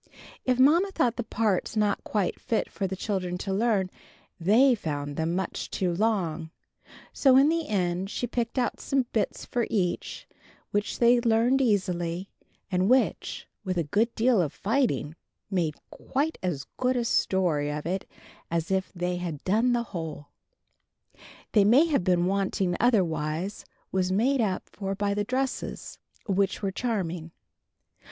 If Mamma thought the parts not quite fit for the children to learn, they found them much too long: so in the end she picked out some bits for each, which they learned easily, and which, with a good deal of fighting, made quite as good a story of it as if they had done the whole. What may have been wanting otherwise was made up for by the dresses, which were charming.